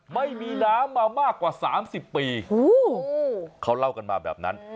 ไม่มีน้ำมามากกว่า๓๐ปีเขาเล่ากันมาแบบนั้น